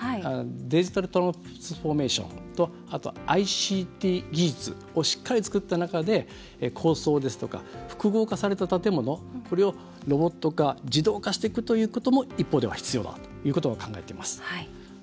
デジタルトランスフォーメーションとＩＣＴ技術をしっかり作った中で高層ですとか複合化された建物これをロボット化自動化していくということも一方では必要だということを考えています。